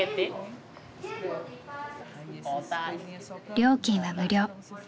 料金は無料。